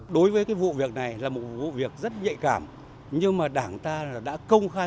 đối với cái vụ việc này là một vụ việc rất nhạy cảm nhưng mà đảng ta đã công khai